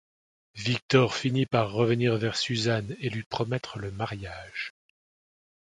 Victor finit par revenir vers Suzanne et lui promettre le mariage.